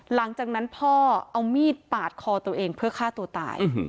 หลังจากนั้นพ่อเอามีดปาดคอตัวเองเพื่อฆ่าตัวตาย